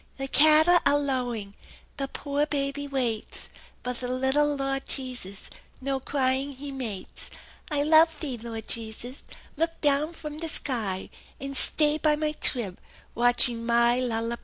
"The catta are lowing, The poor baby wates; But the litta Lord Jesus No cwyin' He mates. I love Thee, Lord Jesus; Look down fum the sky, An* stay by my trib, Watching my lul la by!